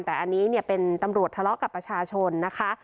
แต่อันนี้เนี่ยเป็นตำรวจทะเลาะกับประชาชนนะคะ